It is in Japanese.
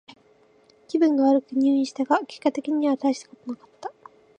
気分が悪くて入院したが、結果的にはたいしたことはなかった。